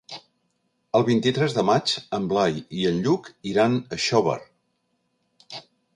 El vint-i-tres de maig en Blai i en Lluc iran a Xóvar.